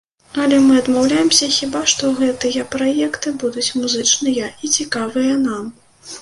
Але мы адмаўляемся, хіба што, гэтыя праекты будуць музычныя і цікавыя нам.